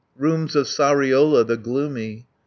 Rooms of Sariola the gloomy.